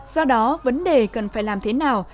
do đó vấn đề cần phải làm thế nào